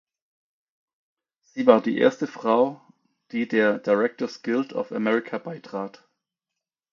Sie war die erste Frau, die der Directors Guild of America beitrat.